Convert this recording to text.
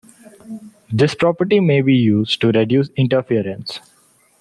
This property may be used to reduce interference.